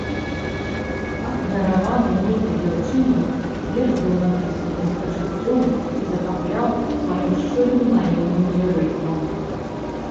Ахвяраваны нейкай дзяўчыне, верш быў напісаны з пачуццём і захапляў сваім шчырым наіўным лірызмам.